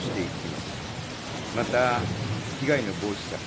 また、被害の防止策